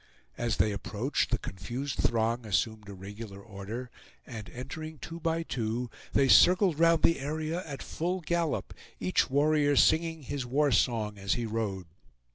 As they approached, the confused throng assumed a regular order, and entering two by two, they circled round the area at full gallop, each warrior singing his war song as he rode.